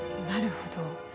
なるほど。